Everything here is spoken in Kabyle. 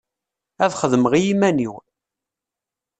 Ad xedmeɣ i iman-iw.